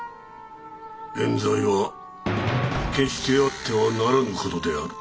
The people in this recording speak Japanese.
えん罪は決してあってはならぬ事である。